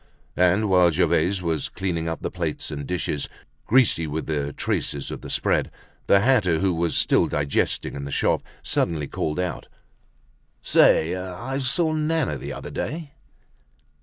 And while Gervaise was cleaning up the plates and dishes, greasy with the traces of the spread, the hatter, who was still digesting in the shop, suddenly called out: "Say, I saw Nana the other day."